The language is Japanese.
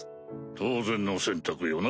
当然の選択よな。